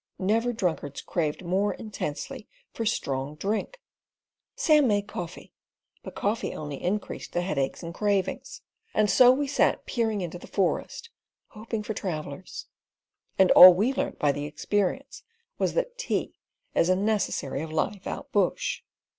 Never drunkards craved more intensely for strong drink! Sam made coffee; but coffee only increased the headaches and cravings, and so we sat peering into the forest, hoping for travellers; and all we learnt by the experience was that tea is a necessary of life out bush.